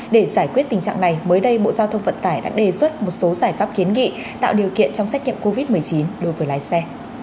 để giải quyết tình trạng này mới đây bộ giao thông vận tải đã đề xuất một số giải pháp kiến nghị tạo điều kiện trong xét nghiệm covid một mươi chín đối với lái xe